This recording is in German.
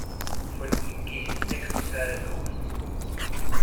Von ihm gehen sechs Zellen aus.